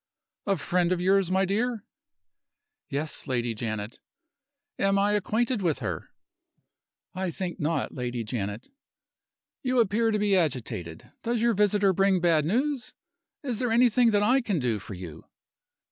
"A friend of yours, my dear?" "Yes, Lady Janet." "Am I acquainted with her?" "I think not, Lady Janet." "You appear to be agitated. Does your visitor bring bad news? Is there anything that I can do for you?"